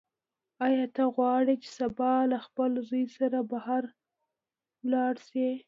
ایا ته غواړې چې سبا له خپل زوی سره بهر لاړه شې؟